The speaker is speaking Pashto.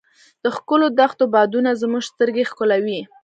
د ښکلو دښتو بادونو زموږ سترګې ښکلولې.